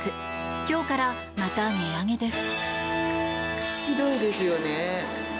今日からまた値上げです。